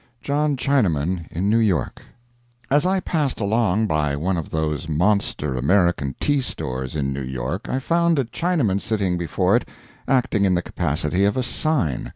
JOHN CHINAMAN IN NEW YORK As I passed along by one of those monster American tea stores in New York, I found a Chinaman sitting before it acting in the capacity of a sign.